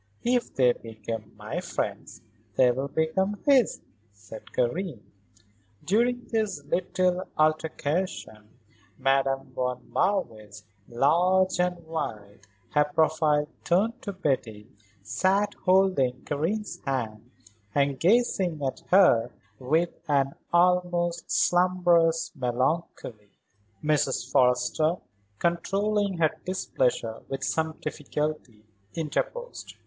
"If they become my friends they will become his," said Karen. During this little altercation, Madame von Marwitz, large and white, her profile turned to Betty, sat holding Karen's hand and gazing at her with an almost slumbrous melancholy. Mrs. Forrester, controlling her displeasure with some difficulty, interposed.